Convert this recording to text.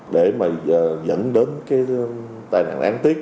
để mà dẫn đến cái tai nạn đáng tiếc